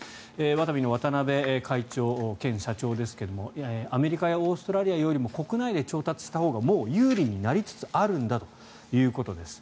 ワタミの渡辺会長兼社長ですがアメリカやオーストラリアよりも国内で調達したほうがもう有利になりつつあるんだということです。